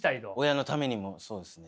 親のためにもそうですね。